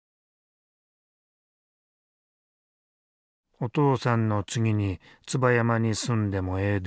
「お父さんの次に椿山に住んでもええで」。